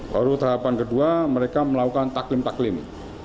baru tahapan kedua mereka melakukan taklim taklim